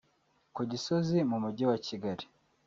Ku Gisozi mu mujyi wa Kigali